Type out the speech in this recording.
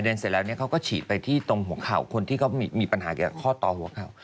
แล้วเสร็จแล้วเค้าก็ฉีดไปที่ตรงหัวเข่าคนที่มีปัญหาเกี่ยวกับข้อตอหัวเข่า